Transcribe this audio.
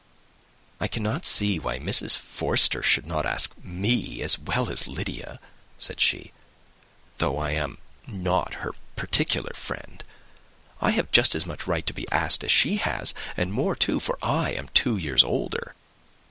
"I cannot see why Mrs. Forster should not ask me as well as Lydia," said she, "though I am not her particular friend. I have just as much right to be asked as she has, and more too, for I am two years older."